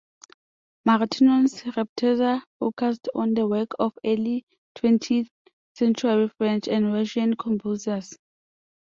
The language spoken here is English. Martinon's repertoire focused on the works of early twentieth century French and Russian composers.